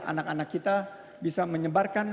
anak anak kita bisa menyebarkan